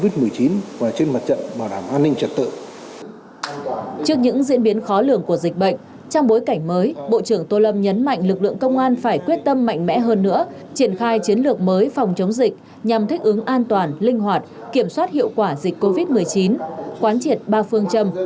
trước những diễn biến khó lường của dịch bệnh trong bối cảnh mới bộ trưởng tô lâm nhấn mạnh mẽ hơn triển khai chiến lược mới phòng chống dịch an toàn linh hoạt kiểm soát hiệu quả dịch bệnh